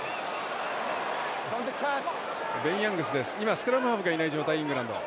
スクラムハーフがいない状態のイングランド。